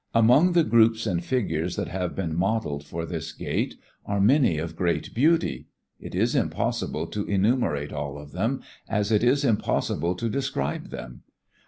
Among the groups and figures that have been modeled for this Gate are many of great beauty. It is impossible to enumerate all of them as it is impossible to describe them.